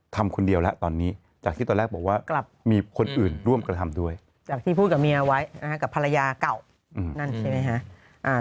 ทำคนเดียวแล้วตอนนี้จากที่ตอนแรกบอกว่ากลับมีคนอื่นร่วมกระทำด้วยจากที่พูดกับเมียไว้นะฮะกับภรรยาเก่านั่นใช่ไหมฮะ